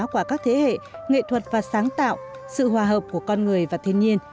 của các thế hệ nghệ thuật và sáng tạo sự hòa hợp của con người và thiên nhiên